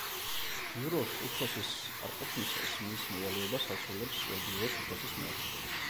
ბიუროს უფროსის არყოფნისას მის მოვალეობას ასრულებს ბიუროს უფროსის მოადგილე.